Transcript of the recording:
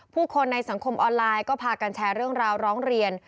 ผู้คนในสังคมออนไลน์ก็พากันแชร์เรื่องราวร้องเรียน